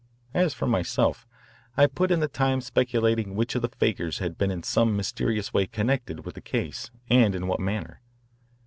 As for myself, I put in the time speculating which of the fakirs had been in some mysterious way connected with the case and in what manner.